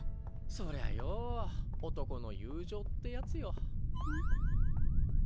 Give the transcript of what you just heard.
そりゃよ男の友情ってやつよ。